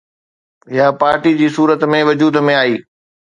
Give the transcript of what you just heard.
اها پارٽيءَ جي صورت ۾ وجود ۾ آئي